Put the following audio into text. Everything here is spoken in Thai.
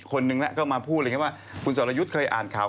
คนนึงมาพูดเรื่องนี้ว่าคุณสอรยุทธ์ใครอ่านข่าว